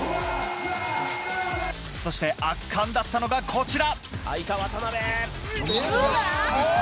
そして圧巻だったのがこちら。